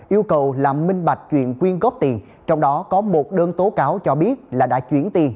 yêu cầu làm minh bạch chuyện quyên góp tiền trong đó có một đơn tố cáo cho biết là đã chuyển tiền